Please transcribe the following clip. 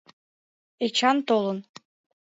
Эчан толын.